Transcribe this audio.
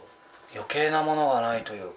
余計なものがないというか。